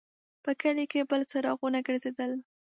په کلي کې بل څراغونه ګرځېدل.